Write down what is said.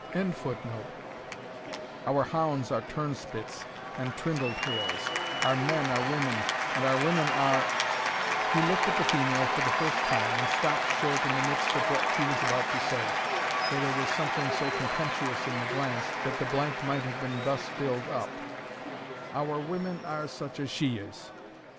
] our hounds are turnspits and trindle tails our men are women and our women are " He looked at the female for the first time, and stopped short in the midst of what he was about to say, though there was something so contemptuous in the glance, that the blank might have been thus filled up "Our women are such as she is."